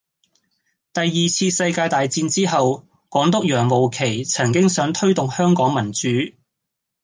第二次世界大戰之後，港督楊慕琦曾經想推動香港民主